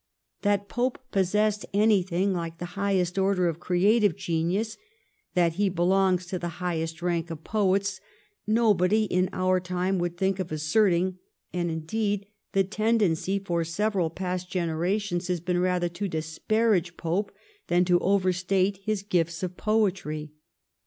That Pope possessed anything like the highest order of creative genius, that he belongs to the highest rank of poets, nobody in our time would think of asserting, and, indeed, the tendency for several past generations has been rather to disparage Pope than to over state his gifts of poetry.